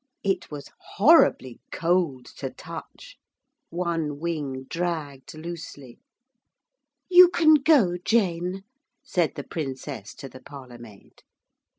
It was horribly cold to touch, one wing dragged loosely. 'You can go, Jane,' said the Princess to the parlourmaid.